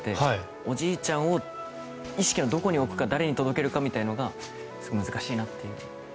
おじいちゃんを意識のどこに置くか誰に届けるかみたいなのがすごく難しいなと。